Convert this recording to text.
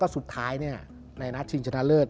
สุดท้ายและนาตริศสจิงชะนาเลิศ